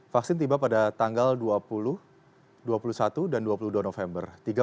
vaksin tiba pada tanggal dua puluh satu dan dua puluh dua november